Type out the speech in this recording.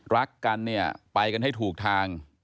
รักกันเนี่ยไปกันให้ถูกทาง